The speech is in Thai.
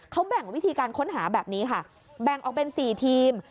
เขาแบ่งวิธีการค้นหาแบบนี้ค่ะแบ่งออกเป็น๔ทีม